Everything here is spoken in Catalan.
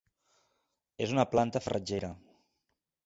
És una planta farratgera.